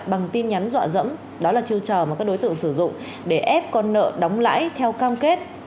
bằng tin nhắn dọa dẫm đó là chiêu trò mà các đối tượng sử dụng để ép con nợ đóng lãi theo cam kết